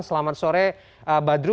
selamat sore badru